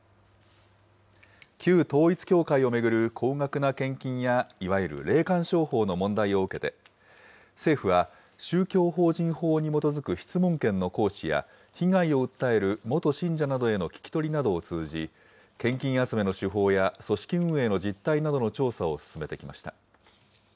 旧統一教会を巡る高額な献金やいわゆる霊感商法の問題を受けて、政府は、宗教法人法に基づく質問権の行使や、被害を訴える元信者などへの聞き取りなどを通じ、献金集めの手法や、組織運営の実態などの調査を進めてきました。